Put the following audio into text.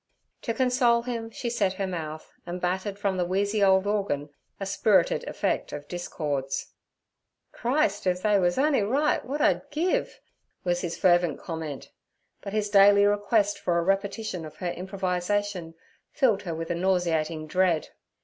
To console him she set her mouth, and battered from the wheezy old organ a spirited effect of discords. 'Christ! if they wuz on'y right w'at 'd I give' was his fervent comment. But his daily request for a repetition of her improvisation filled her with a nauseating dread.